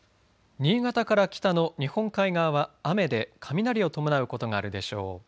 新潟から北の日本海側は雨で雷を伴うことがあるでしょう。